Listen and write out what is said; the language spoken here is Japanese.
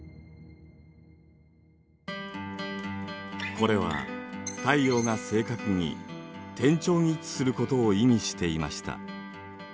これは太陽が正確に天頂に位置することを意味していました。